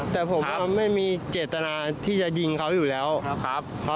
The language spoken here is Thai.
แต่ผมว่าไม่มีเจตนาที่จะยิงเขาอยู่แล้วครับ